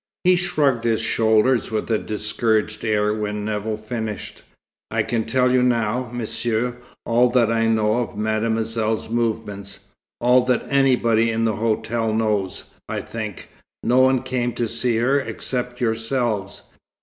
He shrugged his shoulders with a discouraged air when Nevill finished. "I can tell you now, Monsieur, all that I know of Mademoiselle's movements all that anybody in the hotel knows, I think. No one came to see her, except yourselves.